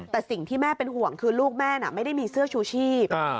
แต่สิ่งที่แม่เป็นห่วงคือลูกแม่น่ะไม่ได้มีเสื้อชูชีพ